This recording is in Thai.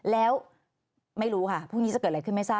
แล้วไม่รู้ค่ะพรุ่งนี้จะเกิดอะไรขึ้นไม่ทราบ